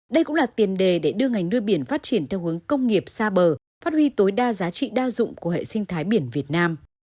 đây cũng là tiền đề để đưa ngành nuôi biển phát triển theo hướng công nghiệp xa bờ phát huy tối đa giá trị đa dụng của hệ sinh thái biển việt nam